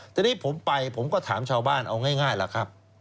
ทีนี้ผมไปผมก็ถามชาวบ้านเอาง่ายล่ะครับ